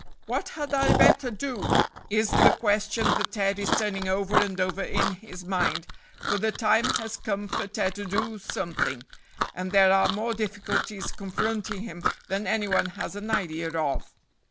"What had I better do?" is the question that Ted is turning over and over in his mind, for the time has come for Ted to do something, and there are more difficulties confronting him than any one has an idea of.